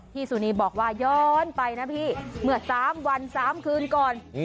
สุนีบอกว่าย้อนไปนะพี่เมื่อ๓วัน๓คืนก่อน